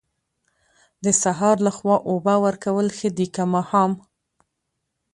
د سهار لخوا اوبه ورکول ښه دي که ماښام؟